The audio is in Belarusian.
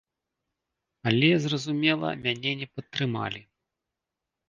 Але, зразумела, мяне не падтрымалі.